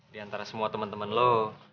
di antara semua temen temen lo